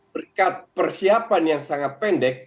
berkat persiapan yang sangat pendek